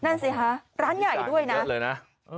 นั่นสิคะร้านใหญ่ด้วยนะ